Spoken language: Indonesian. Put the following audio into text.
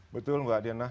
betul mbak diana